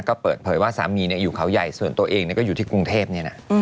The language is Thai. ก็เปิดเผยว่าสามีอยู่เขาใหญ่ส่วนตัวเองก็อยู่ที่กรุงเทพเนี่ยนะ